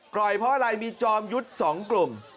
ปล่อยเพราะอะไรมีจอมยุทธ์๒กลุ่ม